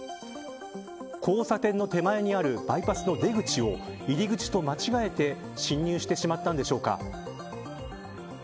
交差点の手前にあるバイパスの出口を入り口と間違えて進入してしまったのでしょうか。